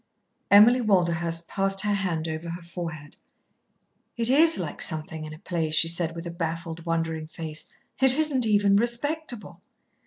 Emily Walderhurst passed her hand over her forehead. "It is like something in a play," she said, with a baffled, wondering face. "It isn't even respectable."